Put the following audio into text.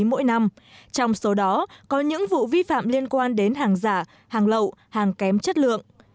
mỗi năm trong số đó có những vụ vi phạm liên quan đến hàng giả hàng lậu hàng kém chất lượng